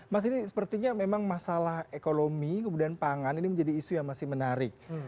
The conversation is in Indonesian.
mas ini sepertinya memang masalah ekonomi kemudian pangan ini menjadi isu yang masih menarik